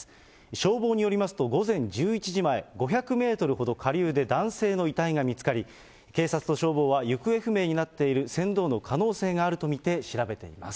消防によりますと、午前１１時前、５００メートルほど下流で男性の遺体が見つかり、警察と消防は、行方不明になっている船頭の可能性があると見て、調べています。